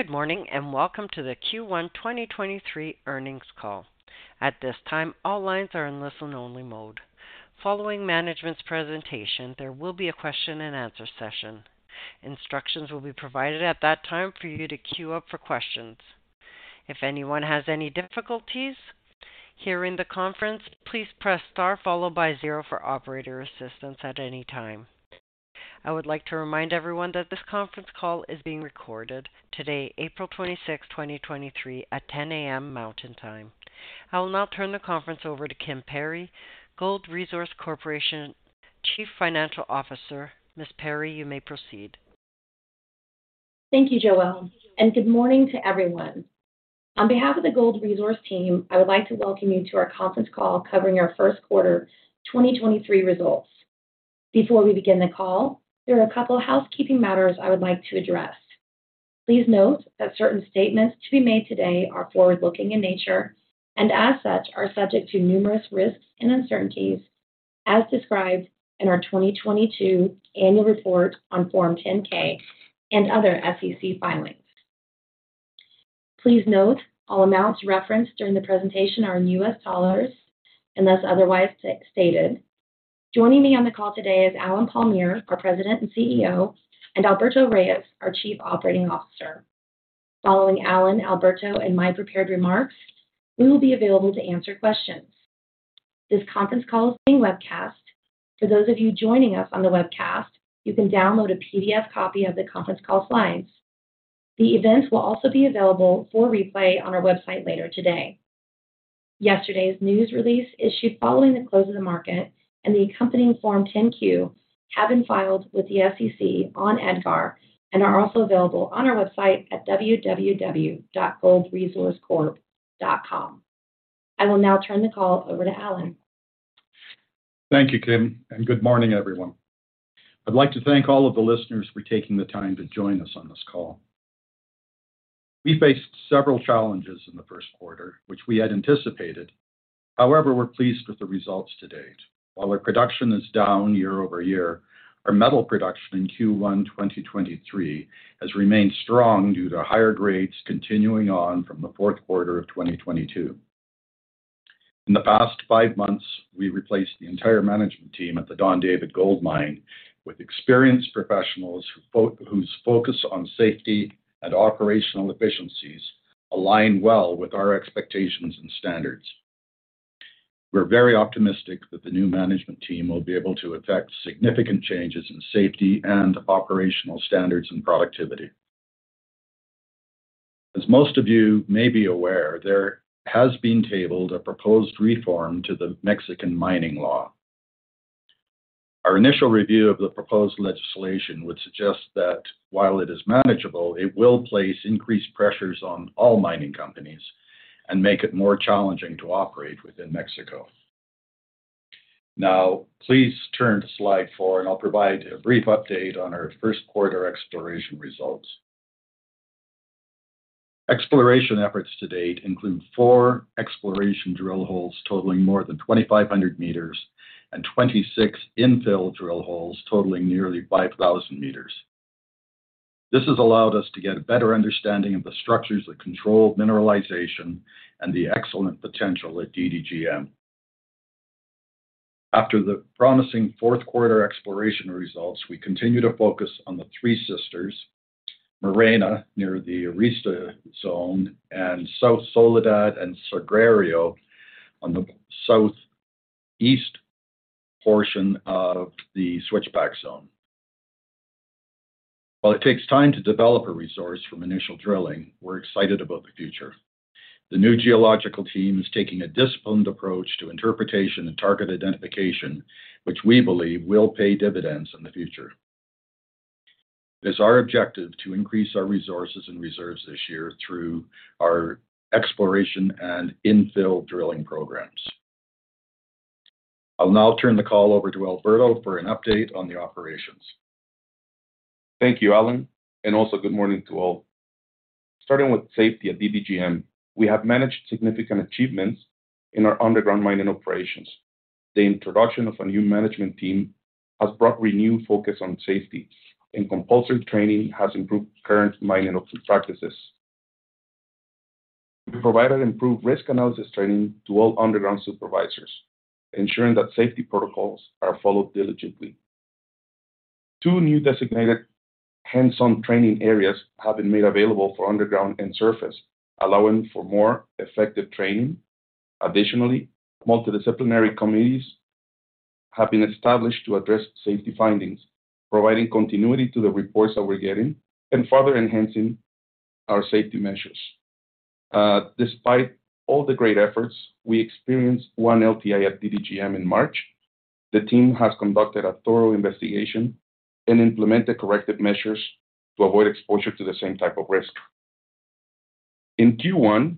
Good morning, welcome to the Q1 2023 earnings call. At this time, all lines are in listen-only mode. Following management's presentation, there will be a question and answer session. Instructions will be provided at that time for you to queue up for questions. If anyone has any difficulties hearing the conference, please press star followed by zero for operator assistance at any time. I would like to remind everyone that this conference call is being recorded today, April 26th, 2023, at 10:00 A.M. Mountain Time. I will now turn the conference over to Kim Perry, Gold Resource Corporation Chief Financial Officer. Ms. Perry, you may proceed. Thank you, Joelle, and good morning to everyone. On behalf of the Gold Resource team, I would like to welcome you to our conference call covering our first quarter 2023 results. Before we begin the call, there are a couple of housekeeping matters I would like to address. Please note that certain statements to be made today are forward-looking in nature and, as such, are subject to numerous risks and uncertainties as described in our 2022 annual report on form 10-K and other SEC filings. Please note all amounts referenced during the presentation are in U.S. dollars unless otherwise stated. Joining me on the call today is Allen Palmiere, our President and CEO, and Alberto Reyes, our Chief Operating Officer. Following Allen, Alberto, and my prepared remarks, we will be available to answer questions. This conference call is being webcast. For those of you joining us on the webcast, you can download a PDF copy of the conference call slides. The event will also be available for replay on our website later today. Yesterday's news release, issued following the close of the market and the accompanying form 10-Q, have been filed with the SEC on EDGAR and are also available on our website at www.goldresourcecorp.com. I will now turn the call over to Allen. Thank you, Kim. Good morning, everyone. I'd like to thank all of the listeners for taking the time to join us on this call. We faced several challenges in the first quarter, which we had anticipated. However, we're pleased with the results to date. While our production is down year-over-year, our metal production in Q1 2023 has remained strong due to higher grades continuing on from the fourth quarter of 2022. In the past five months, we replaced the entire management team at the Don David Gold Mine with experienced professionals whose focus on safety and operational efficiencies align well with our expectations and standards. We're very optimistic that the new management team will be able to effect significant changes in safety and operational standards and productivity. As most of you may be aware, there has been tabled a proposed reform to the Mexican mining law. Our initial review of the proposed legislation would suggest that while it is manageable, it will place increased pressures on all mining companies and make it more challenging to operate within Mexico. Please turn to slide four, and I'll provide a brief update on our first quarter exploration results. Exploration efforts to date include four exploration drill holes totaling more than 2,500 m and 26 infill drill holes totaling nearly 5,000 m. This has allowed us to get a better understanding of the structures that control mineralization and the excellent potential at DDGM. After the promising fourth quarter exploration results, we continue to focus on the Three Sisters, Marena near the Arista zone, and South Soledad and Sagrario on the southeast portion of the Switchback Zone. While it takes time to develop a resource from initial drilling, we're excited about the future. The new geological team is taking a disciplined approach to interpretation and target identification, which we believe will pay dividends in the future. It is our objective to increase our resources and reserves this year through our exploration and infill drilling programs. I'll now turn the call over to Alberto for an update on the operations. Thank you, Allen. Also good morning to all. Starting with safety at DDGM, we have managed significant achievements in our underground mining operations. The introduction of a new management team has brought renewed focus on safety, and compulsory training has improved current mining practices. We provided improved risk analysis training to all underground supervisors, ensuring that safety protocols are followed diligently. Two new designated hands-on training areas have been made available for underground and surface, allowing for more effective training. Additionally, multidisciplinary committees have been established to address safety findings, providing continuity to the reports that we're getting and further enhancing our safety measures. Despite all the great efforts, we experienced one LTI at DDGM in March. The team has conducted a thorough investigation and implemented corrective measures to avoid exposure to the same type of risk. In Q1,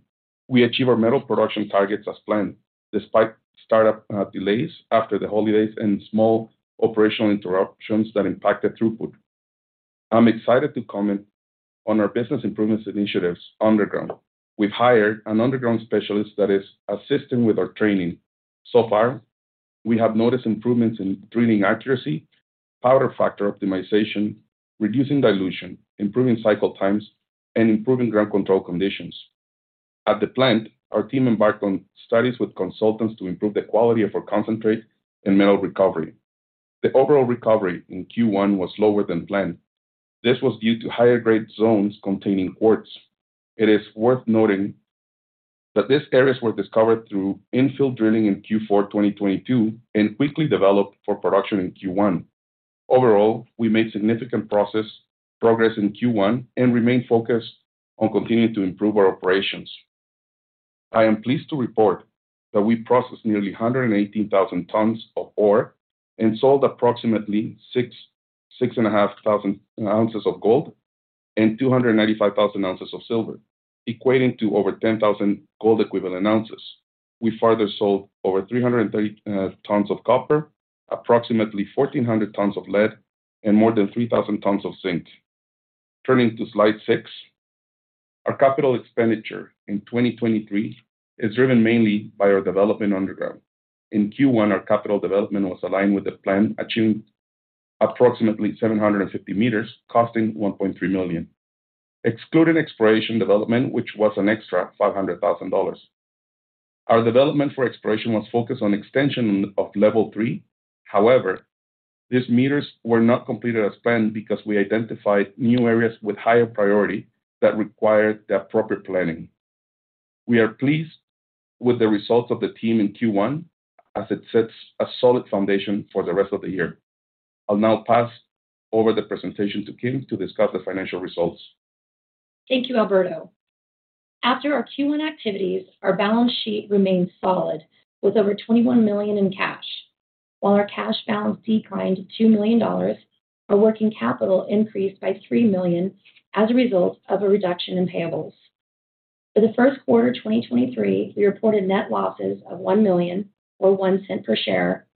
we achieved our metal production targets as planned, despite startup delays after the holidays and small operational interruptions that impacted throughput. I'm excited to comment on our business improvements initiatives underground. We've hired an underground specialist that is assisting with our training. So far, we have noticed improvements in drilling accuracy, power factor optimization, reducing dilution, improving cycle times, and improving ground control conditions. At the plant, our team embarked on studies with consultants to improve the quality of our concentrate and metal recovery. The overall recovery in Q1 was lower than planned. This was due to higher grade zones containing quartz. It is worth noting that these areas were discovered through infill drilling in Q4 2022, and quickly developed for production in Q1. Overall, we made significant progress in Q1 and remain focused on continuing to improve our operations. I am pleased to report that we processed nearly 118,000 tonnes of ore and sold approximately 6,500 oz of gold and 295,000 oz of silver, equating to over 10,000 gold equivalent ounces. We further sold over 330 tonnes of copper, approximately 1,400 tonnes of lead, and more than 3,000 tonnes of zinc. Turning to slide six. Our CapEx in 2023 is driven mainly by our development underground. In Q1, our capital development was aligned with the plan, achieving approximately 750 m, costing $1.3 million. Excluded exploration development, which was an extra $500,000. Our development for exploration was focused on extension of level 3. These meters were not completed as planned because we identified new areas with higher priority that required the appropriate planning. We are pleased with the results of the team in Q1 as it sets a solid foundation for the rest of the year. I'll now pass over the presentation to Kim to discuss the financial results. Thank you, Alberto. After our Q1 activities, our balance sheet remains solid with over $21 million in cash. While our cash balance declined to $2 million, our working capital increased by $3 million as a result of a reduction in payables. For the first quarter 2023, we reported net losses of $1 million or $0.01 per share.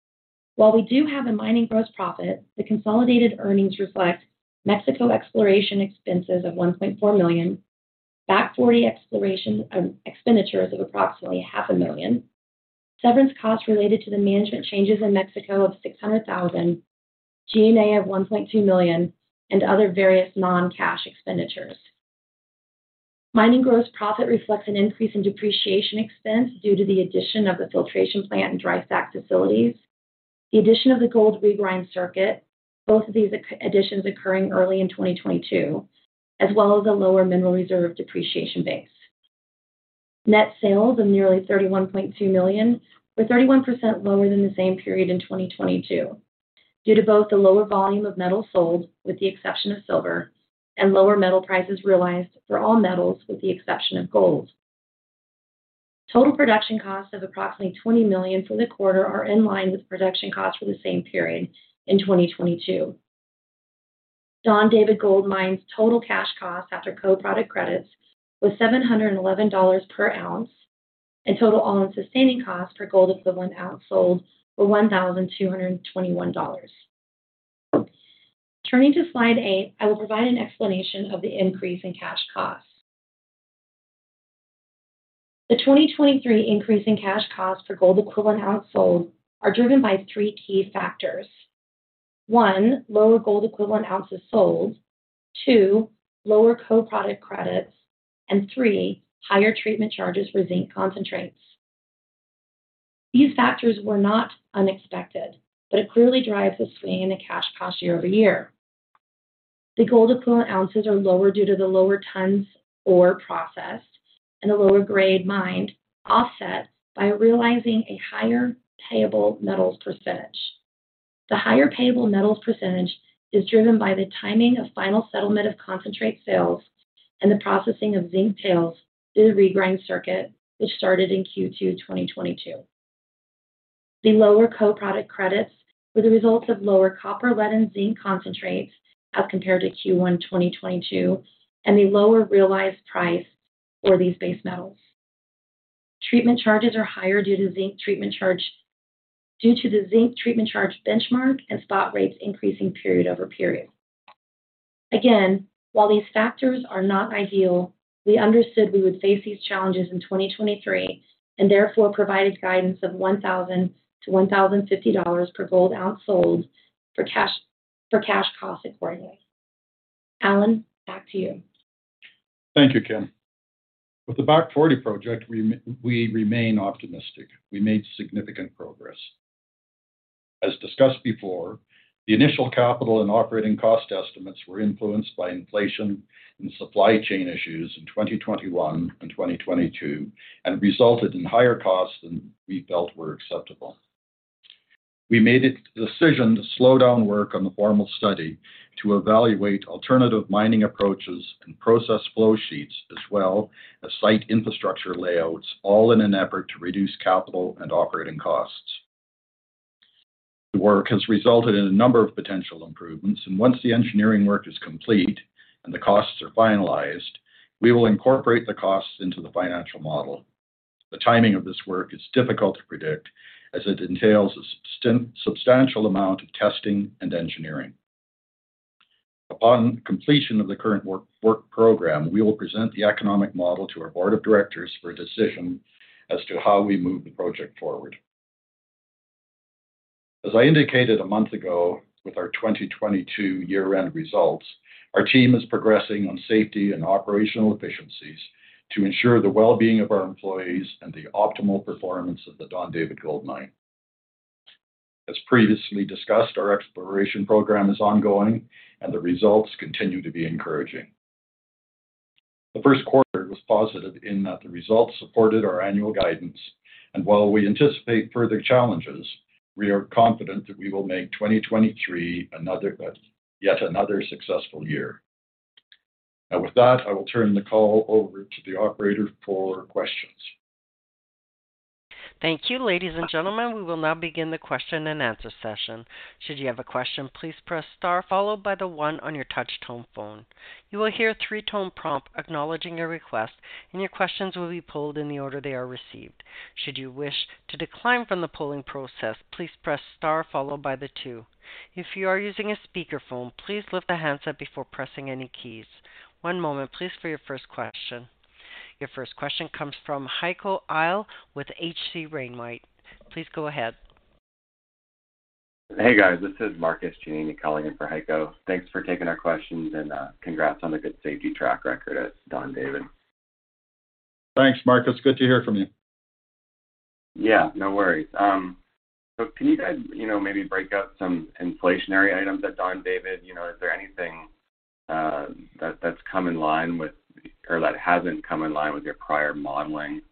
While we do have a mining gross profit, the consolidated earnings reflect Mexico exploration expenses of $1.4 million, Back Forty exploration expenditures of approximately half a million, severance costs related to the management changes in Mexico of $600,000, G&A of $1.2 million, and other various non-cash expenditures. Mining gross profit reflects an increase in depreciation expense due to the addition of the filtration plant and dry stack facilities, the addition of the gold regrind circuit, both of these additions occurring early in 2022, as well as a lower mineral reserve depreciation base. Net sales of nearly $31.2 million were 31% lower than the same period in 2022 due to both the lower volume of metal sold, with the exception of silver, and lower metal prices realized for all metals, with the exception of gold. Total production costs of approximately $20 million for the quarter are in line with production costs for the same period in 2022. Don David Gold Mine's total cash costs after co-product credits was $711 per ounce, and total all-in sustaining costs per gold equivalent ounce sold were $1,221. Turning to slide eight, I will provide an explanation of the increase in cash costs. The 2023 increase in cash costs per gold equivalent ounce sold are driven by three key factors. One, lower gold equivalent ounces sold, two, lower co-product credits, and three, higher treatment charges for zinc concentrates. These factors were not unexpected, but it clearly drives the swing in the cash cost year-over-year. The gold equivalent ounces are lower due to the lower tonnes ore processed and a lower-grade mined, offset by realizing a higher payable metals percentage. The higher payable metals percentage is driven by the timing of final settlement of concentrate sales and the processing of zinc tails through the regrind circuit, which started in Q2 2022. The lower co-product credits were the result of lower copper, lead, and zinc concentrates as compared to Q1 2022 and the lower realized price for these base metals. Treatment charges are higher due to the zinc treatment charge benchmark and spot rates increasing period over period. While these factors are not ideal, we understood we would face these challenges in 2023, and therefore provided guidance of $1,000-$1,050 per gold ounce sold for cash costs accordingly. Allen, back to you. Thank you, Kim. With the Back Forty Project, we remain optimistic. We made significant progress. As discussed before, the initial capital and operating cost estimates were influenced by inflation and supply chain issues in 2021 and 2022 and resulted in higher costs than we felt were acceptable. We made a decision to slow down work on the formal study to evaluate alternative mining approaches and process flow sheets as well as site infrastructure layouts, all in an effort to reduce capital and operating costs. The work has resulted in a number of potential improvements. Once the engineering work is complete and the costs are finalized, we will incorporate the costs into the financial model. The timing of this work is difficult to predict as it entails a substantial amount of testing and engineering. Upon completion of the current work program, we will present the economic model to our board of directors for a decision as to how we move the project forward. As I indicated a month ago with our 2022 year-end results, our team is progressing on safety and operational efficiencies to ensure the well-being of our employees and the optimal performance of the Don David Gold Mine. As previously discussed, our exploration program is ongoing, and the results continue to be encouraging. The first quarter was positive in that the results supported our annual guidance. While we anticipate further challenges, we are confident that we will make 2023 yet another successful year. Now, with that, I will turn the call over to the operator for questions. Thank you. Ladies and gentlemen, we will now begin the question and answer session. Should you have a question, please press star followed by the one on your touch-tone phone. You will hear three-tone prompt acknowledging your request, and your questions will be pulled in the order they are received. Should you wish to decline from the polling process, please press star followed by the two. If you are using a speaker phone, please lift the handset before pressing any keys. One moment please for your first question. Your first question comes from Heiko Ihle with H.C. Wainwright. Please go ahead. Hey, guys. This is Marcus Giannini calling in for Heiko. Thanks for taking our questions. Congrats on the good safety track record at Don David. Thanks, Marcus. Good to hear from you. Yeah, no worries. Can you guys, you know, maybe break out some inflationary items at Don David? You know, is there anything that's come in line with or that hasn't come in line with your prior modeling?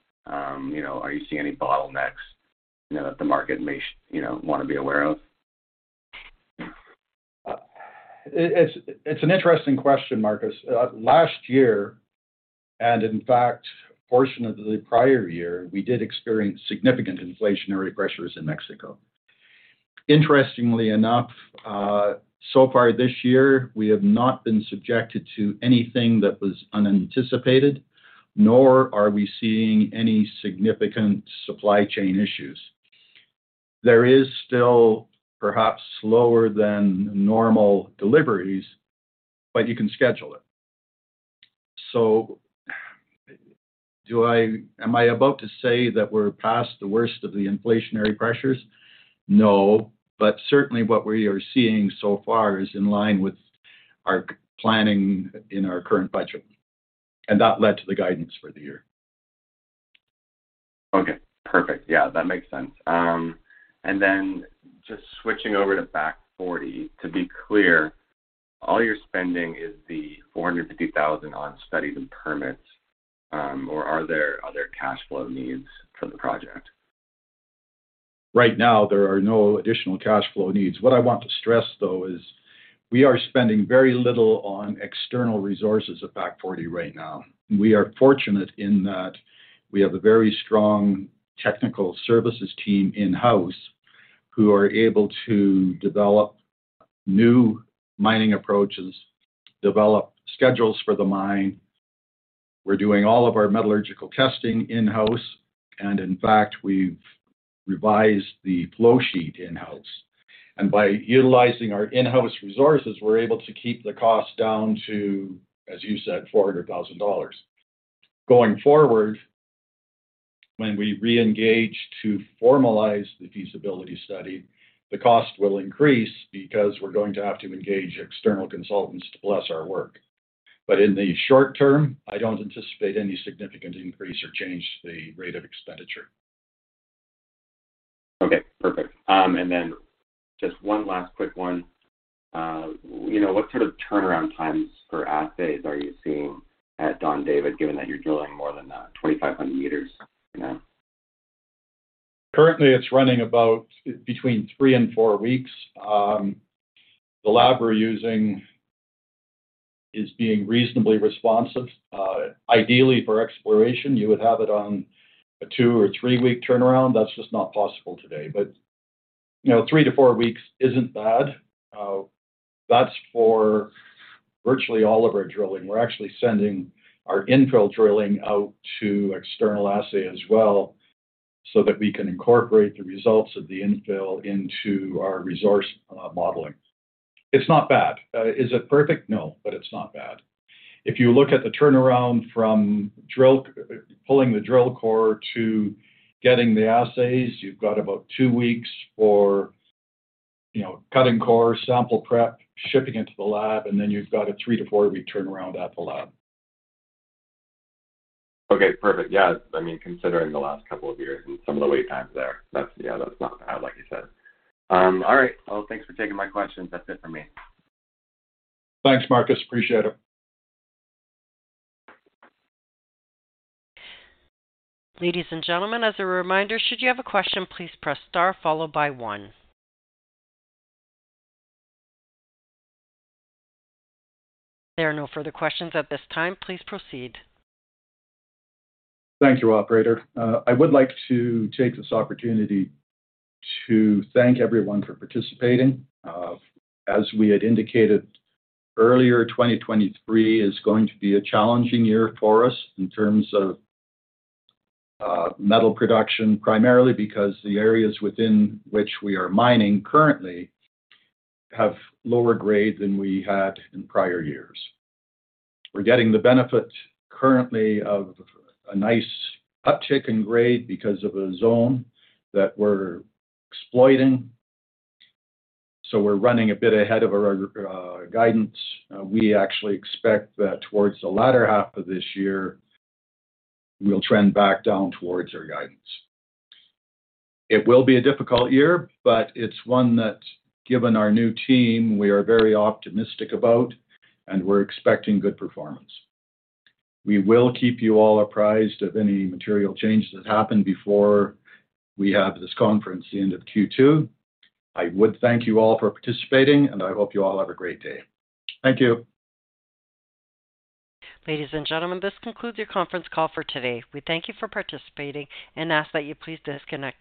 You know, are you seeing any bottlenecks, you know, that the market may you know, wanna be aware of? It's an interesting question, Marcus. Last year, and in fact, a portion of the prior year, we did experience significant inflationary pressures in Mexico. Interestingly enough, so far this year, we have not been subjected to anything that was unanticipated, nor are we seeing any significant supply chain issues. There is still perhaps slower than normal deliveries, but you can schedule it. Am I about to say that we're past the worst of the inflationary pressures? No. Certainly what we are seeing so far is in line with our planning in our current budget, and that led to the guidance for the year. Okay, perfect. Yeah, that makes sense. Just switching over to Back Forty. To be clear, all your spending is the $450,000 on studies and permits, or are there other cash flow needs for the project? Right now, there are no additional cash flow needs. What I want to stress, though, is we are spending very little on external resources at Back Forty right now. We are fortunate in that we have a very strong technical services team in-house who are able to develop new mining approaches, develop schedules for the mine. We're doing all of our metallurgical testing in-house. In fact, we've revised the flow sheet in-house. By utilizing our in-house resources, we're able to keep the cost down to, as you said, $400,000. Going forward, when we reengage to formalize the feasibility study, the cost will increase because we're going to have to engage external consultants to bless our work. In the short term, I don't anticipate any significant increase or change to the rate of expenditure. Okay, perfect. Just one last quick one. You know, what sort of turnaround times for assays are you seeing at Don David, given that you're drilling more than 2,500 m now? Currently, it's running about between three and four weeks. The lab we're using is being reasonably responsive. Ideally for exploration, you would have it on a two or three-week turnaround. That's just not possible today. You know, three to four weeks isn't bad. That's for virtually all of our drilling. We're actually sending our infill drilling out to external assay as well, so that we can incorporate the results of the infill into our resource modeling. It's not bad. Is it perfect? No, it's not bad. If you look at the turnaround from drill, pulling the drill core to getting the assays, you've got about two weeks for, you know, cutting core, sample prep, shipping it to the lab, and then you've got a three to four-week turnaround at the lab. Okay, perfect. Yeah, I mean, considering the last couple of years and some of the wait times there, that's. Yeah, that's not bad, like you said. All right. Well, thanks for taking my questions. That's it for me. Thanks, Marcus. Appreciate it. Ladies and gentlemen, as a reminder, should you have a question, please press star followed by one. There are no further questions at this time. Please proceed. Thank you, operator. I would like to take this opportunity to thank everyone for participating. As we had indicated earlier, 2023 is going to be a challenging year for us in terms of metal production, primarily because the areas within which we are mining currently have lower grade than we had in prior years. We're getting the benefit currently of a nice uptick in grade because of a zone that we're exploiting, so we're running a bit ahead of our guidance. We actually expect that towards the latter half of this year, we'll trend back down towards our guidance. It will be a difficult year, but it's one that, given our new team, we are very optimistic about, and we're expecting good performance. We will keep you all apprised of any material changes that happen before we have this conference at the end of Q2. I would thank you all for participating, and I hope you all have a great day. Thank you. Ladies and gentlemen, this concludes your conference call for today. We thank you for participating and ask that you please disconnect.